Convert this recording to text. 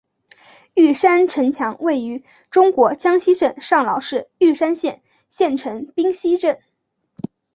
玉山城墙位于中国江西省上饶市玉山县县城冰溪镇。